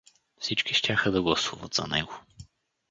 Всички щяха да гласуват за него.